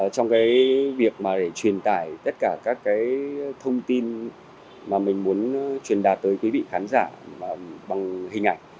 trong cái việc mà để truyền tải tất cả các thông tin mà mình muốn truyền đạt tới quý vị khán giả bằng hình ảnh